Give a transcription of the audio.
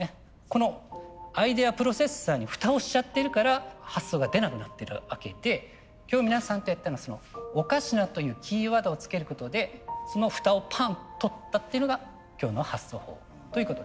このアイデアプロセッサーに蓋をしちゃってるから発想が出なくなってるわけで今日皆さんとやったのは「おかしな」というキーワードをつけることでその蓋をパンと取ったっていうのが今日の発想法ということです。